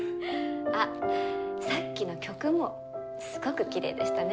あっさっきの曲もすごくきれいでしたね。